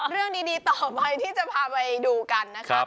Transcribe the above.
เรื่องดีต่อไปที่จะพาไปดูกันนะครับ